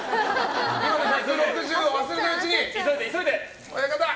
今の１６０を忘れないうちに！